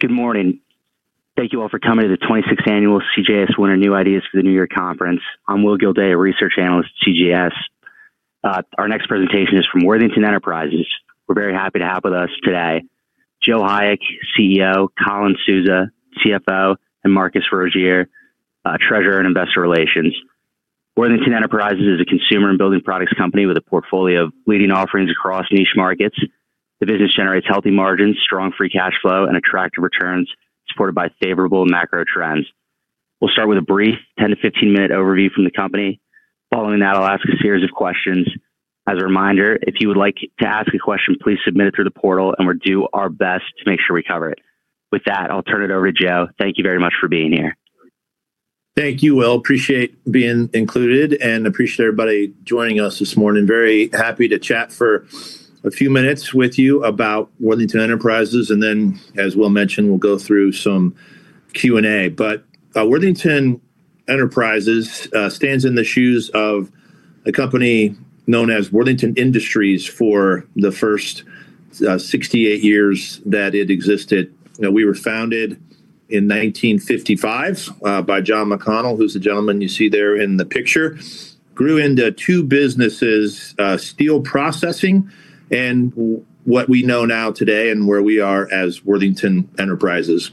Good morning. Thank you all for coming to the 26th Annual CJS Winter New Ideas for the New Year Conference. I'm Will Gilday, a research analyst at CJS. Our next presentation is from Worthington Enterprises. We're very happy to have with us today Joe Hayek, CEO, Colin Souza, CFO, and Marcus Rogier, Treasurer and Investor Relations. Worthington Enterprises is a consumer and building products company with a portfolio of leading offerings across niche markets. The business generates healthy margins, strong free cash flow, and attractive returns supported by favorable macro trends. We'll start with a brief 10- to 15-minute overview from the company. Following that, I'll ask a series of questions. As a reminder, if you would like to ask a question, please submit it through the portal, and we'll do our best to make sure we cover it. With that, I'll turn it over to Joe. Thank you very much for being here. Thank you, Will. Appreciate being included and appreciate everybody joining us this morning. Very happy to chat for a few minutes with you about Worthington Enterprises. And then, as Will mentioned, we'll go through some Q&A. But Worthington Enterprises stands in the shoes of a company known as Worthington Industries for the first 68 years that it existed. We were founded in 1955 by John McConnell, who's the gentleman you see there in the picture. Grew into two businesses: steel processing and what we know now today and where we are as Worthington Enterprises.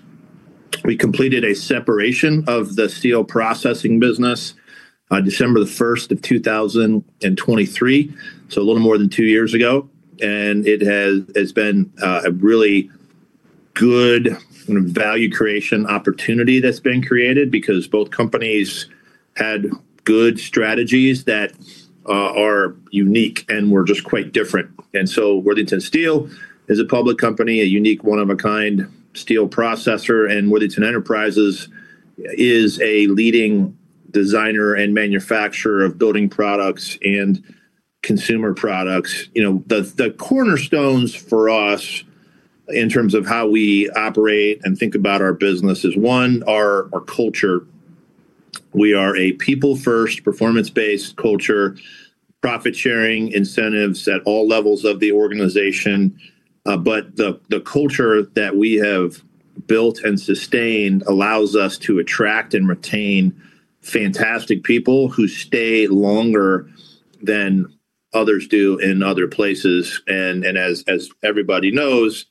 We completed a separation of the steel processing business on December 1, 2023, so a little more than two years ago. And it has been a really good value creation opportunity that's been created because both companies had good strategies that are unique and were just quite different. And so Worthington Steel is a public company, a unique, one-of-a-kind steel processor. And Worthington Enterprises is a leading designer and manufacturer of building products and consumer products. The cornerstones for us in terms of how we operate and think about our business is, one, our culture. We are a people-first, performance-based culture, profit-sharing incentives at all levels of the organization. But the culture that we have built and sustained allows us to attract and retain fantastic people who stay longer than others do in other places. And as everybody knows,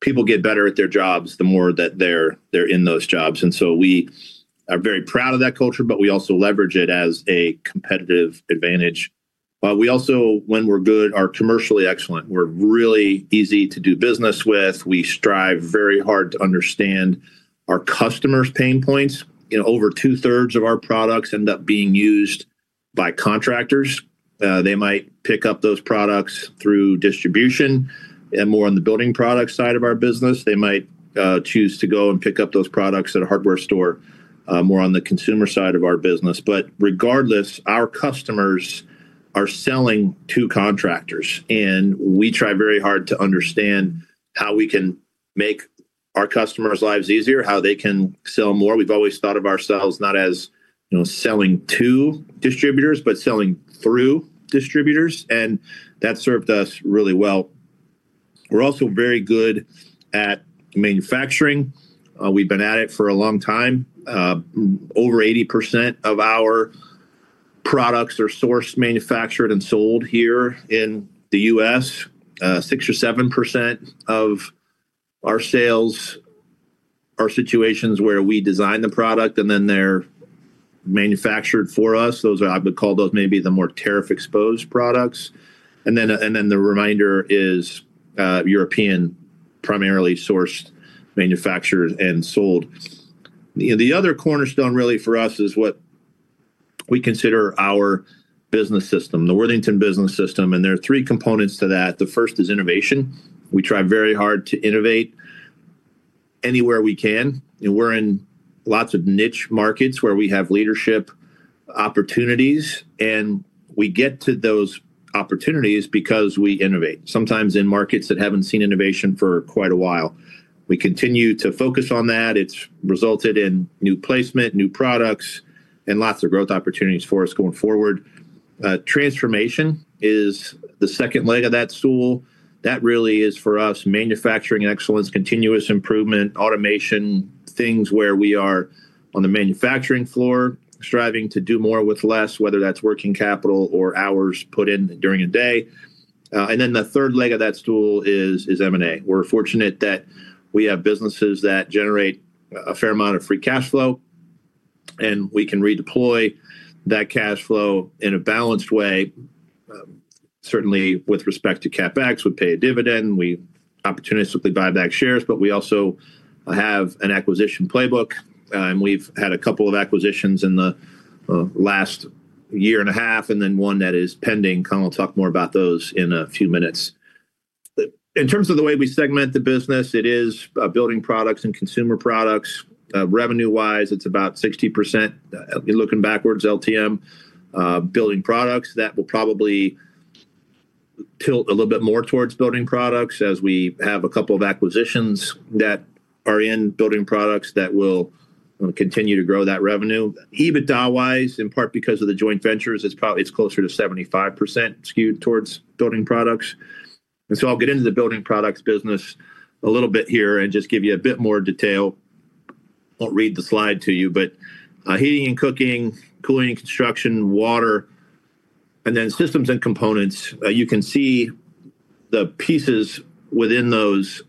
people get better at their jobs the more that they're in those jobs. And so we are very proud of that culture, but we also leverage it as a competitive advantage. We also, when we're good, are commercially excellent. We're really easy to do business with. We strive very hard to understand our customers' pain points. Over two-thirds of our products end up being used by contractors. They might pick up those products through distribution, and more on the building product side of our business, they might choose to go and pick up those products at a hardware store, more on the consumer side of our business, but regardless, our customers are selling to contractors, and we try very hard to understand how we can make our customers' lives easier, how they can sell more. We've always thought of ourselves not as selling to distributors, but selling through distributors. And that's served us really well. We're also very good at manufacturing. We've been at it for a long time. Over 80% of our products are sourced, manufactured, and sold here in the U.S. 6% or 7% of our sales are situations where we design the product and then they're manufactured for us. I would call those maybe the more tariff-exposed products. And then the remainder is European primarily sourced, manufactured, and sold. The other cornerstone really for us is what we consider our business system, the Worthington Business System. And there are three components to that. The first is innovation. We try very hard to innovate anywhere we can. We're in lots of niche markets where we have leadership opportunities. And we get to those opportunities because we innovate, sometimes in markets that haven't seen innovation for quite a while. We continue to focus on that. It's resulted in new placement, new products, and lots of growth opportunities for us going forward. Transformation is the second leg of that stool. That really is for us manufacturing excellence, continuous improvement, automation, things where we are on the manufacturing floor, striving to do more with less, whether that's working capital or hours put in during a day. And then the third leg of that stool is M&A. We're fortunate that we have businesses that generate a fair amount of free cash flow, and we can redeploy that cash flow in a balanced way, certainly with respect to CapEx. We pay a dividend. We opportunistically buy back shares, but we also have an acquisition playbook. And we've had a couple of acquisitions in the last year and a half and then one that is pending. Colin will talk more about those in a few minutes. In terms of the way we segment the business, it is building products and consumer products. Revenue-wise, it's about 60%, looking backwards, LTM, building products. That will probably tilt a little bit more towards building products as we have a couple of acquisitions that are in building products that will continue to grow that revenue. EBITDA-wise, in part because of the joint ventures, it's closer to 75% skewed towards building products. And so I'll get into the building products business a little bit here and just give you a bit more detail. I won't read the slide to you, but heating and cooking, cooling and construction, water, and then systems and components. You can see the pieces within those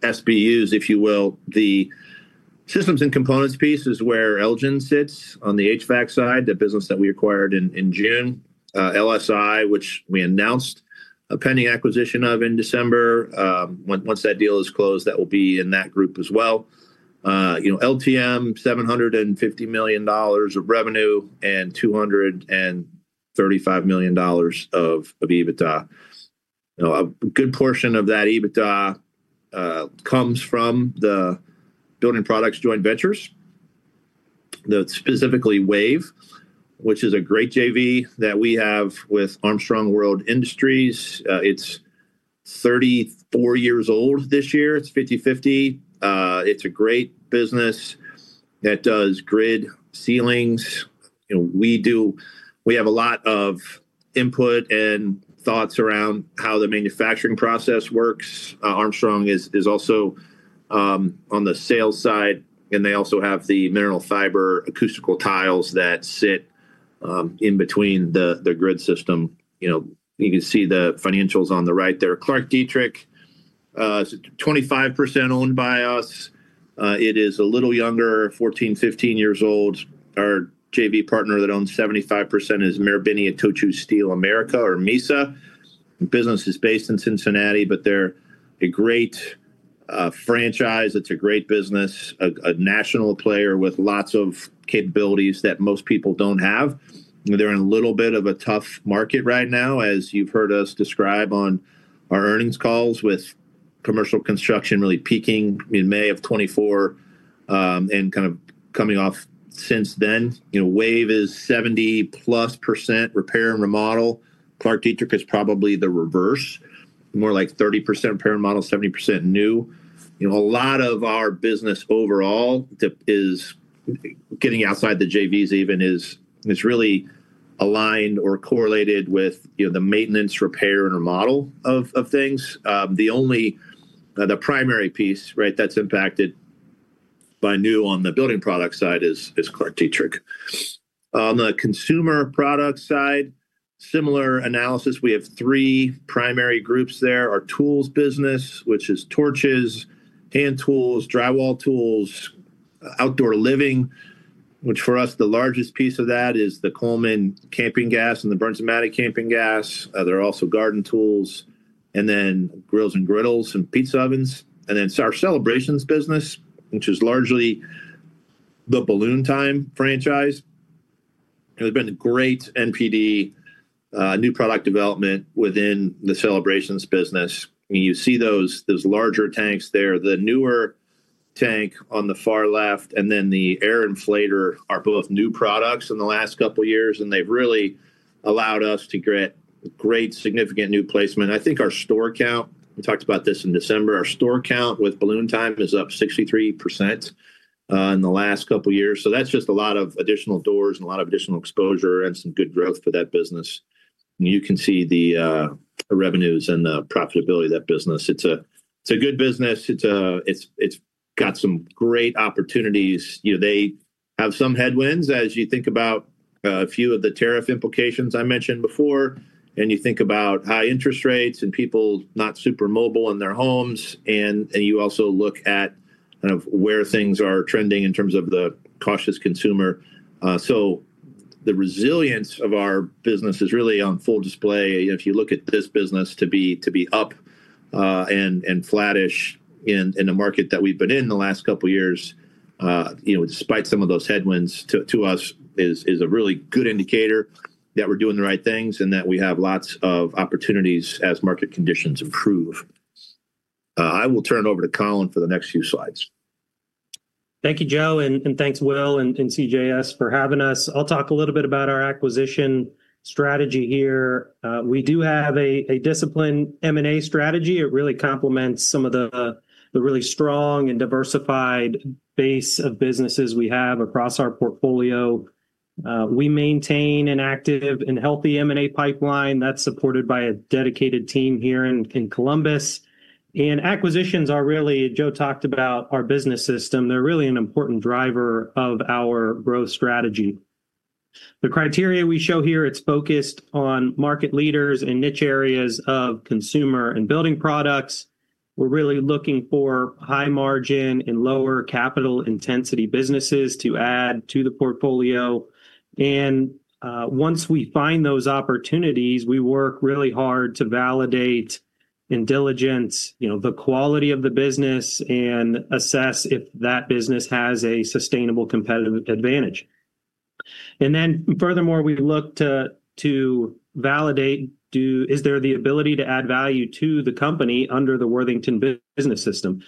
SBUs, if you will. The systems and components piece is where Elgin sits on the HVAC side, the business that we acquired in June, LSI, which we announced a pending acquisition of in December. Once that deal is closed, that will be in that group as well. LTM, $750 million of revenue and $235 million of EBITDA. A good portion of that EBITDA comes from the building products joint ventures, specifically WAVE, which is a great JV that we have with Armstrong World Industries. It's 34 years old this year. It's 50/50. It's a great business that does grid ceilings. We have a lot of input and thoughts around how the manufacturing process works. Armstrong is also on the sales side, and they also have the mineral fiber acoustical tiles that sit in between the grid system. You can see the financials on the right there. ClarkDietrich, 25% owned by us. It is a little younger, 14, 15 years old. Our JV partner that owns 75% is Marubeni-Itochu Steel America or MISA. The business is based in Cincinnati, but they're a great franchise. It's a great business, a national player with lots of capabilities that most people don't have. They're in a little bit of a tough market right now, as you've heard us describe on our earnings calls with commercial construction really peaking in May of 2024 and kind of coming off since then. WAVE is 70+% repair and remodel. ClarkDietrich is probably the reverse, more like 30% repair and remodel, 70% new. A lot of our business overall is getting outside the JVs even is really aligned or correlated with the maintenance, repair, and remodel of things. The primary piece that's impacted by new on the building product side is ClarkDietrich. On the consumer product side, similar analysis. We have three primary groups there. Our tools business, which is torches, hand tools, drywall tools, outdoor living, which for us, the largest piece of that is the Coleman camping gas and the Bernzomatic camping gas. There are also garden tools, and then grills and griddles and pizza ovens. Our celebrations business, which is largely the Balloon Time franchise. There's been great NPD, new product development within the celebrations business. You see those larger tanks there. The newer tank on the far left and then the air inflator are both new products in the last couple of years, and they've really allowed us to get great significant new placement. I think our store count, we talked about this in December, our store count with Balloon Time is up 63% in the last couple of years. So that's just a lot of additional doors and a lot of additional exposure and some good growth for that business. You can see the revenues and the profitability of that business. It's a good business. It's got some great opportunities. They have some headwinds as you think about a few of the tariff implications I mentioned before, and you think about high interest rates and people not super mobile in their homes. And you also look at kind of where things are trending in terms of the cautious consumer. So the resilience of our business is really on full display. If you look at this business to be up and flattish in the market that we've been in the last couple of years, despite some of those headwinds to us, is a really good indicator that we're doing the right things and that we have lots of opportunities as market conditions improve. I will turn it over to Colin for the next few slides. Thank you, Joe, and thanks, Will and CJS for having us. I'll talk a little bit about our acquisition strategy here. We do have a disciplined M&A strategy. It really complements some of the really strong and diversified base of businesses we have across our portfolio. We maintain an active and healthy M&A pipeline that's supported by a dedicated team here in Columbus. Acquisitions are really. Joe talked about our business system. They're really an important driver of our growth strategy. The criteria we show here. It's focused on market leaders and niche areas of consumer and building products. We're really looking for high margin and lower capital intensity businesses to add to the portfolio. Once we find those opportunities, we work really hard to validate and diligence the quality of the business and assess if that business has a sustainable competitive advantage. And then furthermore, we look to validate, is there the ability to add value to the company under the Worthington Business System?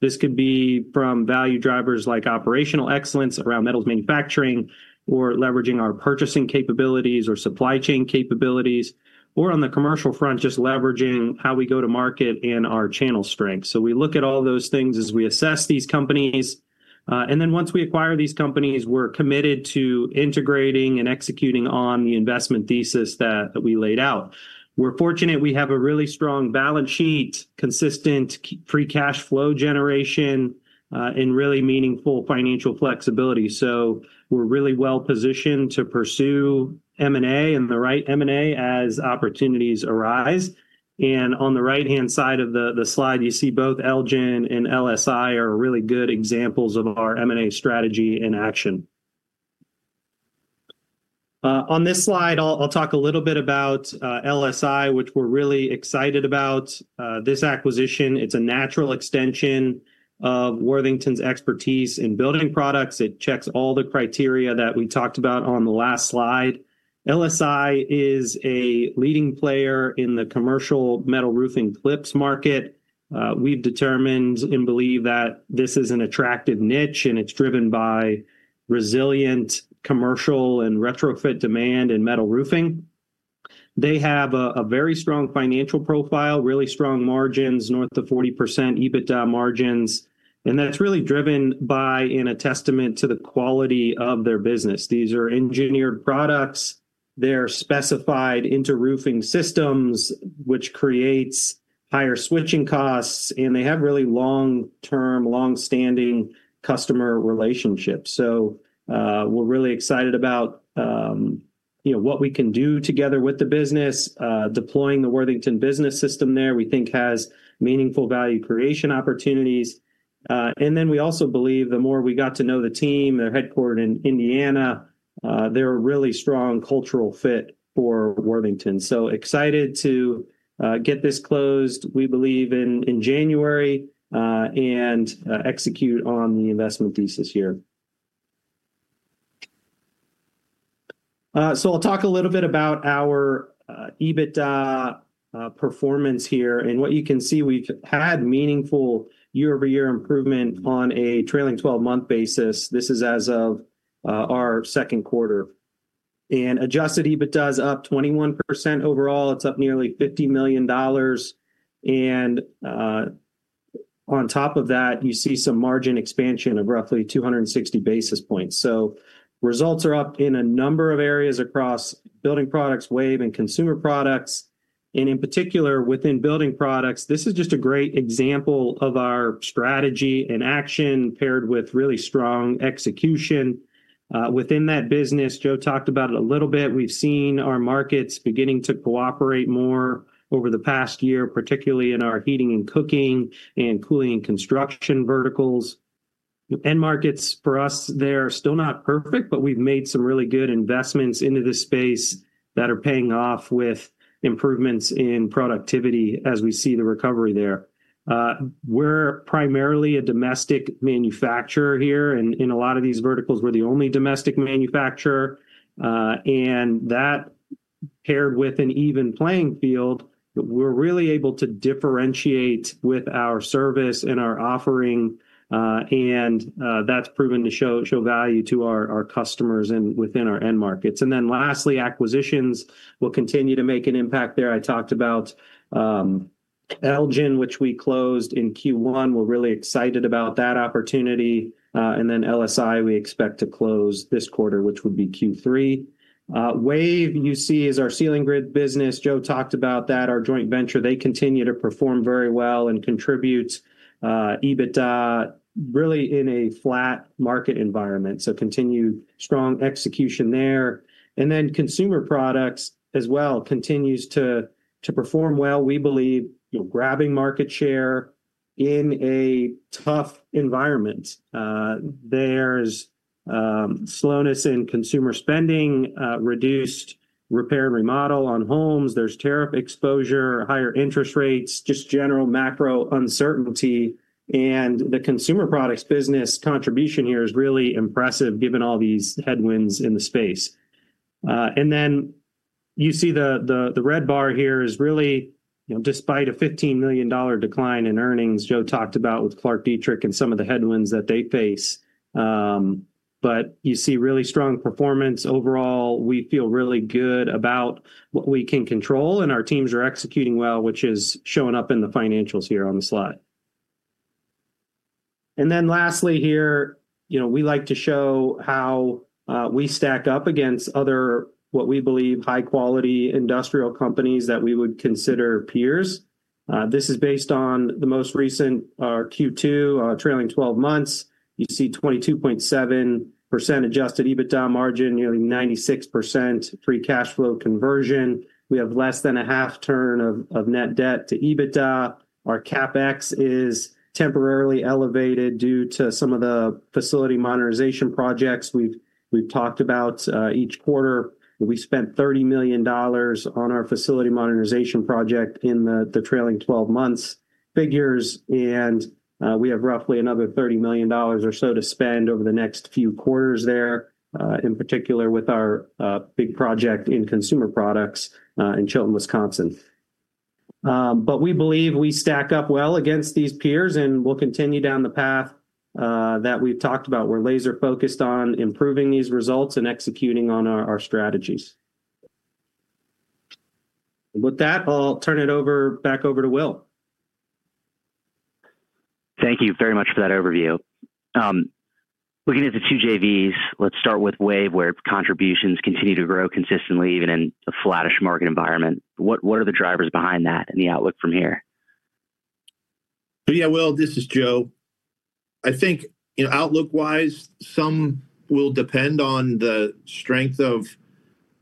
This could be from value drivers like operational excellence around metals manufacturing or leveraging our purchasing capabilities or supply chain capabilities, or on the commercial front, just leveraging how we go to market and our channel strength. So we look at all those things as we assess these companies. And then once we acquire these companies, we're committed to integrating and executing on the investment thesis that we laid out. We're fortunate we have a really strong balance sheet, consistent free cash flow generation, and really meaningful financial flexibility. So we're really well positioned to pursue M&A and the right M&A as opportunities arise. And on the right-hand side of the slide, you see both Elgin and LSI are really good examples of our M&A strategy in action. On this slide, I'll talk a little bit about LSI, which we're really excited about this acquisition. It's a natural extension of Worthington's expertise in building products. It checks all the criteria that we talked about on the last slide. LSI is a leading player in the commercial metal roofing clips market. We've determined and believe that this is an attractive niche, and it's driven by resilient commercial and retrofit demand in metal roofing. They have a very strong financial profile, really strong margins, north of 40% EBITDA margins, and that's really driven by and a testament to the quality of their business. These are engineered products. They're specified into roofing systems, which creates higher switching costs, and they have really long-term, long-standing customer relationships, so we're really excited about what we can do together with the business, deploying the Worthington Business System there, we think has meaningful value creation opportunities. And then we also believe the more we got to know the team, they're headquartered in Indiana, they're a really strong cultural fit for Worthington. So excited to get this closed, we believe, in January and execute on the investment thesis here. So I'll talk a little bit about our EBITDA performance here. And what you can see, we've had meaningful year-over-year improvement on a trailing 12-month basis. This is as of our second quarter. And adjusted EBITDA is up 21% overall. It's up nearly $50 million. And on top of that, you see some margin expansion of roughly 260 basis points. So results are up in a number of areas across building products, WAVE, and consumer products. And in particular, within building products, this is just a great example of our strategy in action paired with really strong execution. Within that business, Joe talked about it a little bit. We've seen our markets beginning to cooperate more over the past year, particularly in our heating and cooking and cooling and construction verticals. End markets for us, they're still not perfect, but we've made some really good investments into this space that are paying off with improvements in productivity as we see the recovery there. We're primarily a domestic manufacturer here, and in a lot of these verticals, we're the only domestic manufacturer, and that paired with an even playing field, we're really able to differentiate with our service and our offering. And that's proven to show value to our customers and within our end markets, and then lastly, acquisitions will continue to make an impact there. I talked about Elgin, which we closed in Q1. We're really excited about that opportunity, and then LSI, we expect to close this quarter, which would be Q3. WAVE, you see, is our ceiling grid business. Joe talked about that. Our joint venture continues to perform very well and contribute EBITDA in a flat market environment. They continue strong execution there. Consumer products continues to perform well. We believe we are grabbing market share in a tough environment. There is slowness in consumer spending and reduced repair and remodel on homes. There is tariff exposure, higher interest rates, and just general macro uncertainty. The consumer products business contribution here is really impressive given all these headwinds in the space. You see the red bar here. It is really, despite a $15 million decline in earnings Joe talked about with ClarkDietrich and some of the headwinds that they face, strong performance overall. We feel really good about what we can control, and our teams are executing well, which is showing up in the financials here on the slide, and then lastly here, we like to show how we stack up against other, what we believe, high-quality industrial companies that we would consider peers. This is based on the most recent Q2, trailing 12 months. You see 22.7% adjusted EBITDA margin, nearly 96% free cash flow conversion. We have less than a half turn of net debt to EBITDA. Our CapEx is temporarily elevated due to some of the facility modernization projects we've talked about each quarter. We spent $30 million on our facility modernization project in the trailing 12 months figures, and we have roughly another $30 million or so to spend over the next few quarters there, in particular with our big project in consumer products in Chilton, Wisconsin. But we believe we stack up well against these peers and will continue down the path that we've talked about. We're laser-focused on improving these results and executing on our strategies. With that, I'll turn it back over to Will. Thank you very much for that overview. Looking at the two JVs, let's start with WAVE, where contributions continue to grow consistently, even in a flattish market environment. What are the drivers behind that and the outlook from here? Yeah, Will, this is Joe. I think outlook-wise, some will depend on the strength of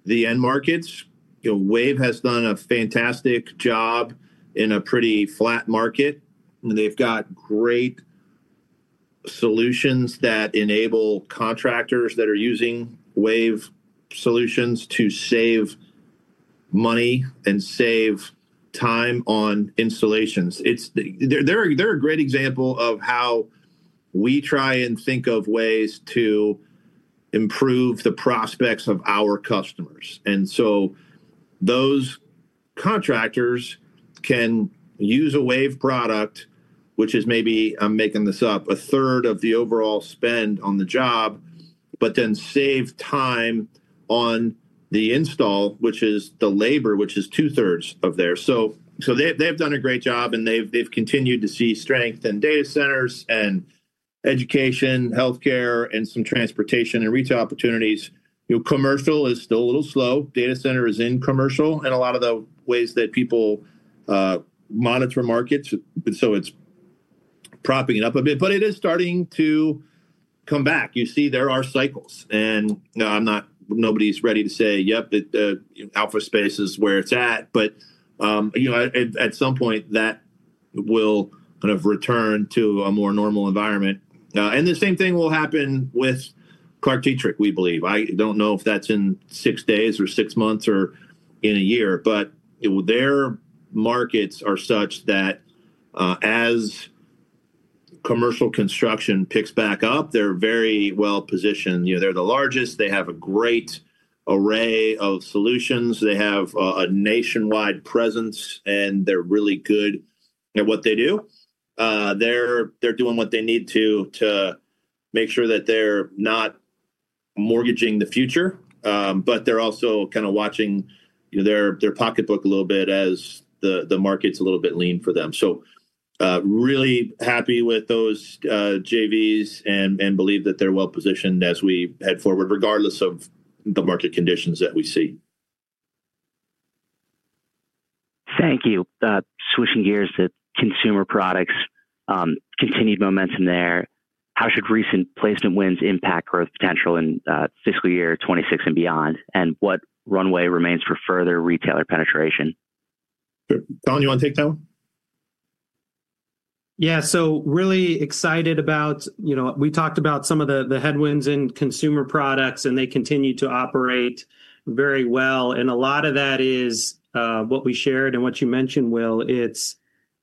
the end markets. WAVE has done a fantastic job in a pretty flat market. They've got great solutions that enable contractors that are using WAVE solutions to save money and save time on installations. They're a great example of how we try and think of ways to improve the prospects of our customers. Those contractors can use a WAVE product, which is maybe, I'm making this up, a third of the overall spend on the job, but then save time on the install, which is the labor, which is two-thirds of theirs. They've done a great job, and they've continued to see strength in data centers and education, healthcare, and some transportation and retail opportunities. Commercial is still a little slow. Data center is in commercial and a lot of the ways that people monitor markets. So it's propping it up a bit, but it is starting to come back. You see, there are cycles. Nobody's ready to say, "Yep, the office space is where it's at." At some point, that will kind of return to a more normal environment. The same thing will happen with ClarkDietrich, we believe. I don't know if that's in six days or six months or in a year, but their markets are such that as commercial construction picks back up, they're very well positioned. They're the largest. They have a great array of solutions. They have a nationwide presence, and they're really good at what they do. They're doing what they need to make sure that they're not mortgaging the future, but they're also kind of watching their pocketbook a little bit as the market's a little bit lean for them, so really happy with those JVs and believe that they're well positioned as we head forward, regardless of the market conditions that we see. Thank you. Switching gears to consumer products, continued momentum there. How should recent placement wins impact growth potential in fiscal year 2026 and beyond? And what runway remains for further retailer penetration? John, you want to take that one? Yeah. So really excited about we talked about some of the headwinds in consumer products, and they continue to operate very well. And a lot of that is what we shared and what you mentioned, Will. It's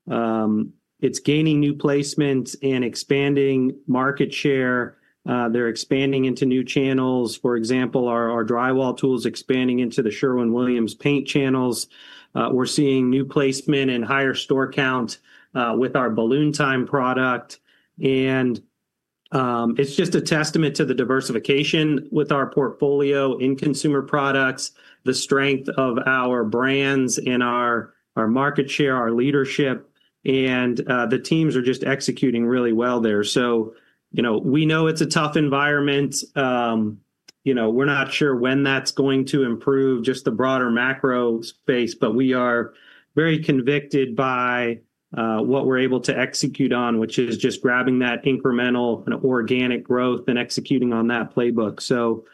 gaining new placements and expanding market share. They're expanding into new channels. For example, our drywall tools expanding into the Sherwin-Williams paint channels. We're seeing new placement and higher store count with our Balloon Time product. And it's just a testament to the diversification with our portfolio in consumer products, the strength of our brands and our market share, our leadership. And the teams are just executing really well there. So we know it's a tough environment. We're not sure when that's going to improve just the broader macro space, but we are very convinced by what we're able to execute on, which is just grabbing that incremental and organic growth and executing on that playbook. So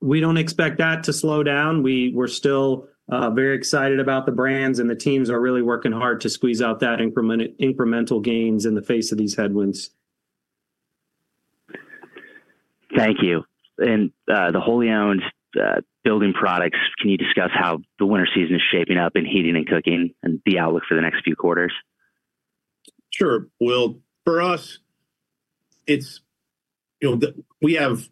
we don't expect that to slow down. We're still very excited about the brands, and the teams are really working hard to squeeze out that incremental gains in the face of these headwinds. Thank you. And the wholly-owned building products, can you discuss how the winter season is shaping up in heating and cooking and the outlook for the next few quarters? Sure. Well, for us, we have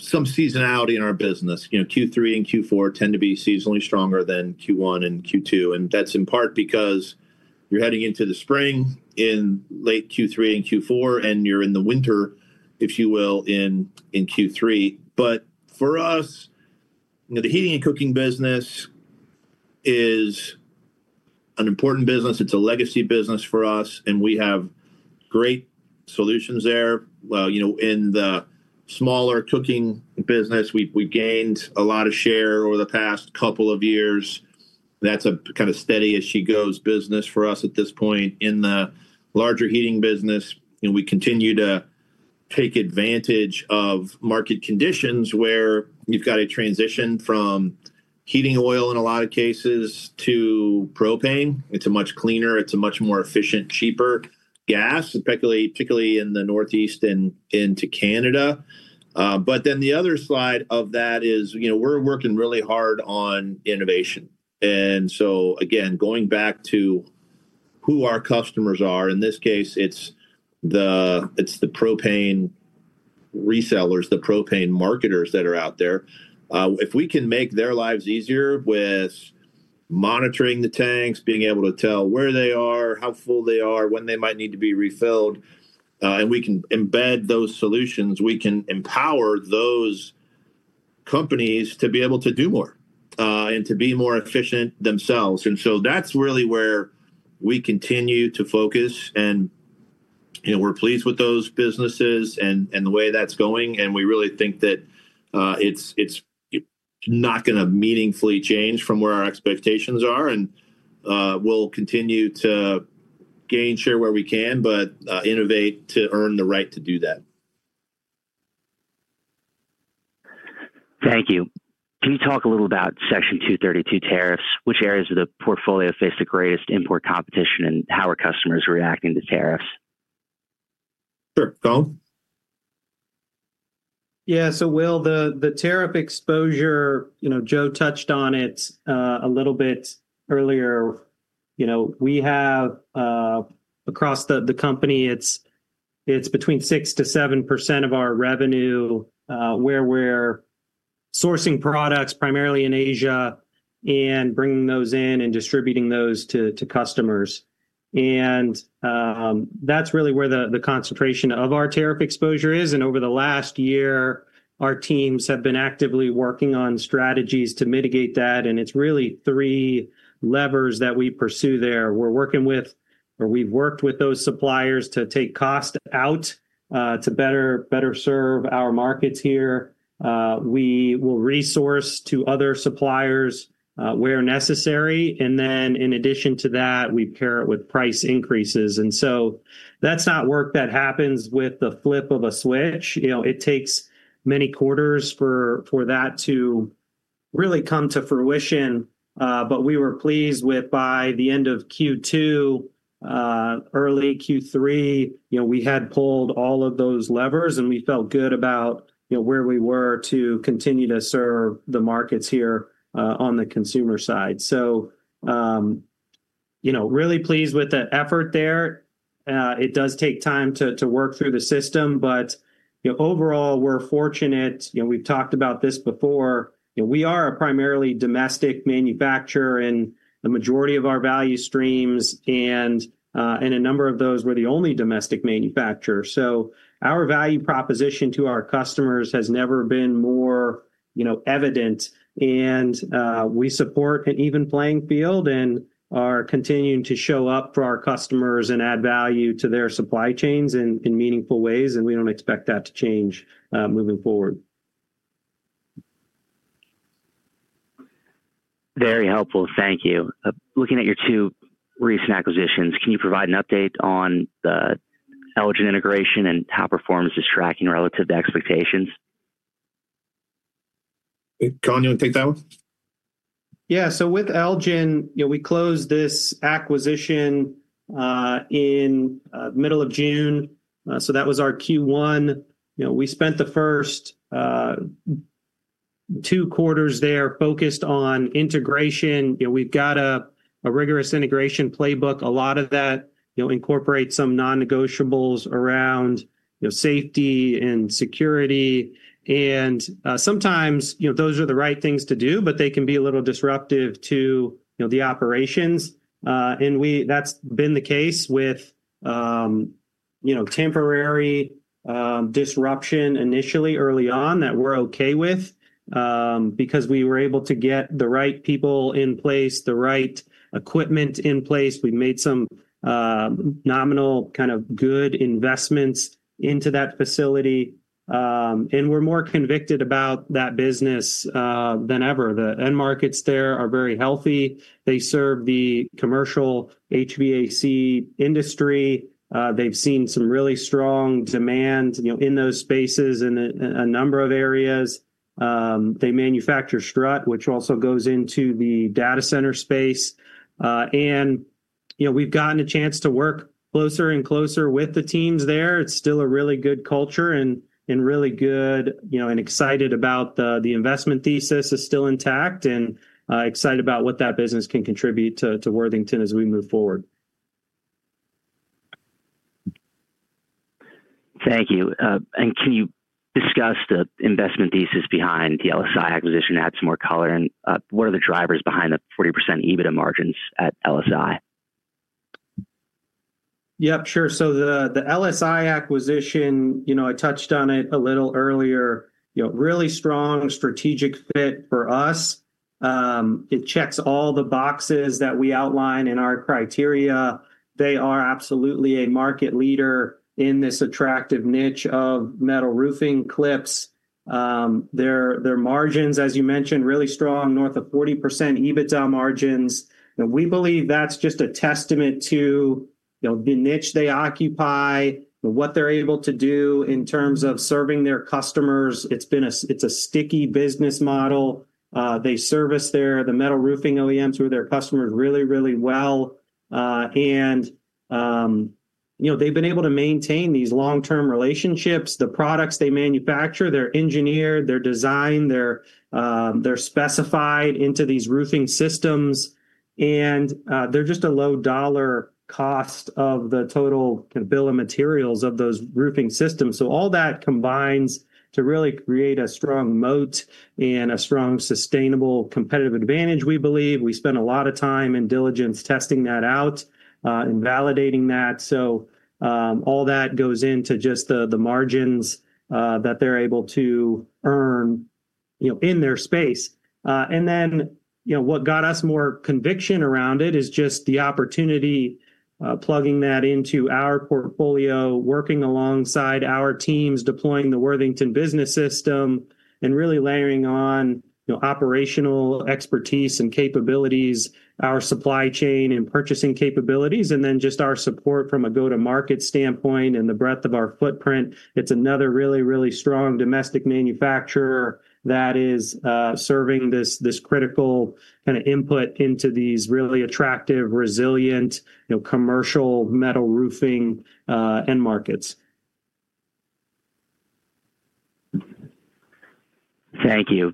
some seasonality in our business. Q3 and Q4 tend to be seasonally stronger than Q1 and Q2, and that's in part because you're heading into the spring in late Q3 and Q4, and you're in the winter, if you will, in Q3, but for us, the heating and cooking business is an important business. It's a legacy business for us, and we have great solutions there. In the smaller cooking business, we've gained a lot of share over the past couple of years. That's a kind of steady-as-she-goes business for us at this point. In the larger heating business, we continue to take advantage of market conditions where you've got a transition from heating oil in a lot of cases to propane. It's a much cleaner, it's a much more efficient, cheaper gas, particularly in the Northeast and into Canada. But then the other side of that is we're working really hard on innovation. And so, again, going back to who our customers are, in this case, it's the propane resellers, the propane marketers that are out there. If we can make their lives easier with monitoring the tanks, being able to tell where they are, how full they are, when they might need to be refilled, and we can embed those solutions, we can empower those companies to be able to do more and to be more efficient themselves. And so that's really where we continue to focus. And we're pleased with those businesses and the way that's going. And we really think that it's not going to meaningfully change from where our expectations are. And we'll continue to gain share where we can, but innovate to earn the right to do that. Thank you. Can you talk a little about Section 232 tariffs? Which areas of the portfolio face the greatest import competition, and how are customers reacting to tariffs? Sure. Colin? Yeah. So, Will, the tariff exposure, Joe touched on it a little bit earlier. We have, across the company, it's between 6%-7% of our revenue, where we're sourcing products primarily in Asia and bringing those in and distributing those to customers. And that's really where the concentration of our tariff exposure is. And over the last year, our teams have been actively working on strategies to mitigate that. And it's really three levers that we pursue there. We're working with, or we've worked with those suppliers to take cost out to better serve our markets here. We will resource to other suppliers where necessary. And then, in addition to that, we pair it with price increases. And so that's not work that happens with the flip of a switch. It takes many quarters for that to really come to fruition. But we were pleased with, by the end of Q2, early Q3, we had pulled all of those levers, and we felt good about where we were to continue to serve the markets here on the consumer side. So really pleased with the effort there. It does take time to work through the system, but overall, we're fortunate. We've talked about this before. We are a primarily domestic manufacturer in the majority of our value streams, and in a number of those, we're the only domestic manufacturer. So our value proposition to our customers has never been more evident. And we support an even playing field and are continuing to show up for our customers and add value to their supply chains in meaningful ways. And we don't expect that to change moving forward. Very helpful. Thank you. Looking at your two recent acquisitions, can you provide an update on the Elgin integration and how performance is tracking relative to expectations? John, you want to take that one? Yeah. So with Elgin, we closed this acquisition in the middle of June. So that was our Q1. We spent the first two quarters there focused on integration. We've got a rigorous integration playbook. A lot of that incorporates some non-negotiables around safety and security. And sometimes those are the right things to do, but they can be a little disruptive to the operations. And that's been the case with temporary disruption initially, early on, that we're okay with because we were able to get the right people in place, the right equipment in place. We made some nominal kind of good investments into that facility. And we're more convicted about that business than ever. The end markets there are very healthy. They serve the commercial HVAC industry. They've seen some really strong demand in those spaces in a number of areas. They manufacture strut, which also goes into the data center space, and we've gotten a chance to work closer and closer with the teams there. It's still a really good culture and really good and excited about the investment thesis is still intact and excited about what that business can contribute to Worthington as we move forward. Thank you. And can you discuss the investment thesis behind the LSI acquisition to add some more color? And what are the drivers behind the 40% EBITDA margins at LSI? Yep, sure. So the LSI acquisition, I touched on it a little earlier. Really strong strategic fit for us. It checks all the boxes that we outline in our criteria. They are absolutely a market leader in this attractive niche of metal roofing clips. Their margins, as you mentioned, really strong, north of 40% EBITDA margins. We believe that's just a testament to the niche they occupy, what they're able to do in terms of serving their customers. It's a sticky business model. They service their metal roofing OEMs through their customers really, really well. And they've been able to maintain these long-term relationships. The products they manufacture, they're engineered, they're designed, they're specified into these roofing systems. And they're just a low dollar cost of the total bill of materials of those roofing systems. So all that combines to really create a strong moat and a strong sustainable competitive advantage, we believe. We spent a lot of time and diligence testing that out and validating that. So all that goes into just the margins that they're able to earn in their space. And then what got us more conviction around it is just the opportunity plugging that into our portfolio, working alongside our teams, deploying the Worthington Business System, and really layering on operational expertise and capabilities, our supply chain and purchasing capabilities, and then just our support from a go-to-market standpoint and the breadth of our footprint. It's another really, really strong domestic manufacturer that is serving this critical kind of input into these really attractive, resilient commercial metal roofing end markets. Thank you.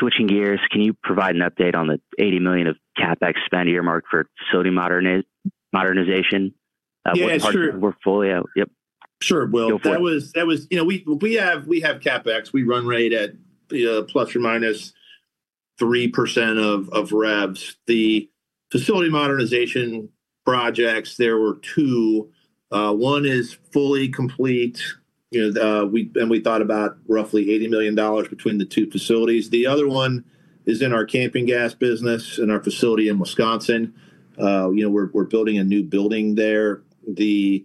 Switching gears, can you provide an update on the $80 million of CapEx spend earmarked for facility modernization? What part of the portfolio? Yep. Sure. Well, we have CapEx. We run rate at plus or minus 3% of revs. The facility modernization projects, there were two. One is fully complete, and we thought about roughly $80 million between the two facilities. The other one is in our camping gas business in our facility in Wisconsin. We're building a new building there. The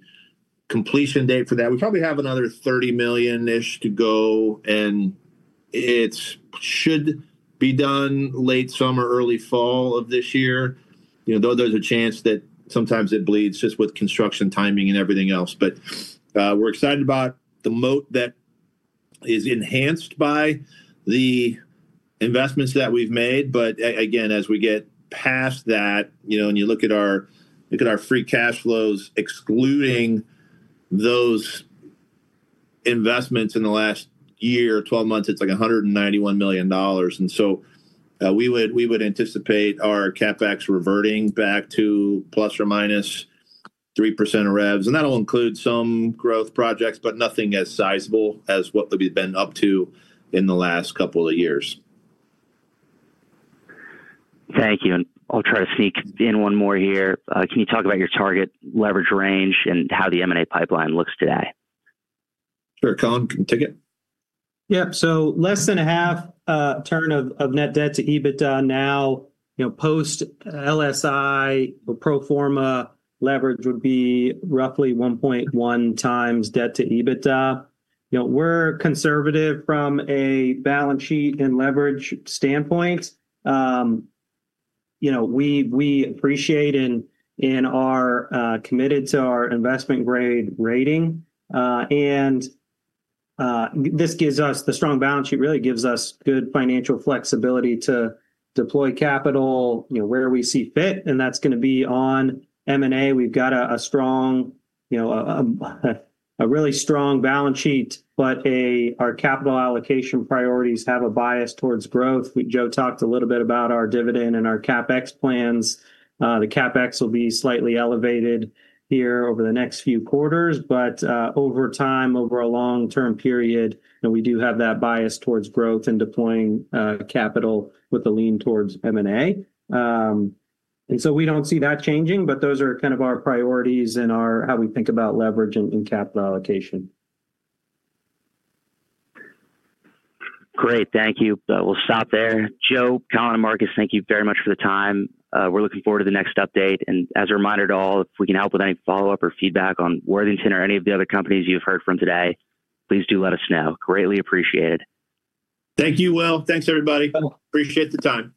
completion date for that, we probably have another $30 million-ish to go, and it should be done late summer, early fall of this year, though there's a chance that sometimes it bleeds just with construction timing and everything else. But we're excited about the moat that is enhanced by the investments that we've made. But again, as we get past that, and you look at our free cash flows, excluding those investments in the last year or 12 months, it's like $191 million. We would anticipate our CapEx reverting back to plus or minus 3% of revs. That'll include some growth projects, but nothing as sizable as what we've been up to in the last couple of years. Thank you. And I'll try to sneak in one more here. Can you talk about your target leverage range and how the M&A pipeline looks today? Sure. Colin, can you take it? Yep. So less than a half turn of net debt to EBITDA now. Post-LSI or pro forma leverage would be roughly 1.1 times debt to EBITDA. We're conservative from a balance sheet and leverage standpoint. We appreciate and are committed to our investment-grade rating. And this gives us the strong balance sheet really gives us good financial flexibility to deploy capital where we see fit. And that's going to be on M&A. We've got a really strong balance sheet, but our capital allocation priorities have a bias towards growth. Joe talked a little bit about our dividend and our CapEx plans. The CapEx will be slightly elevated here over the next few quarters. But over time, over a long-term period, we do have that bias towards growth and deploying capital with a lean towards M&A. And so we don't see that changing, but those are kind of our priorities and how we think about leverage and capital allocation. Great. Thank you. We'll stop there. Joe, Colin, and Marcus, thank you very much for the time. We're looking forward to the next update and as a reminder to all, if we can help with any follow-up or feedback on Worthington or any of the other companies you've heard from today, please do let us know. Greatly appreciated. Thank you, Will. Thanks, everybody. Appreciate the time.